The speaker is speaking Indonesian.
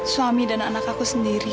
suami dan anak aku sendiri